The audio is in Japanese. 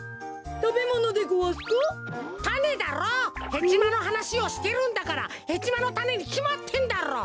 ヘチマのはなしをしてるんだからヘチマのたねにきまってんだろ！